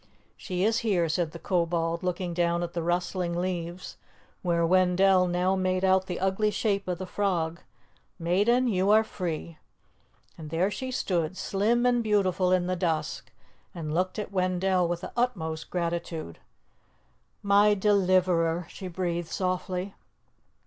"She is here," said the Kobold, looking down at the rustling leaves, where Wendell now made out the ugly shape of the frog. "Maiden, you are free." And there she stood, slim and beautiful in the dusk, and looked at Wendell with the utmost gratitude. "My deliverer!" she breathed softly.